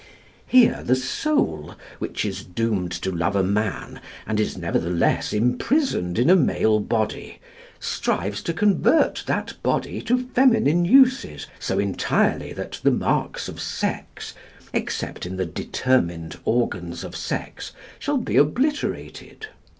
Here the soul which is doomed to love a man, and is nevertheless imprisoned in a male body, strives to convert that body to feminine uses so entirely that the marks of sex, except in the determined organs of sex, shall be obliterated.